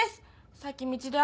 さっき道で会った。